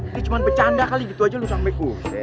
ini cuma bercanda kali gitu aja lu sampe kuse